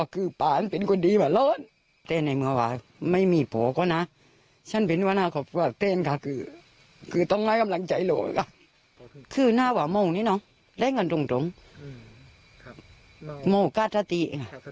กาศติมันทำไปแล้วอย่างนี้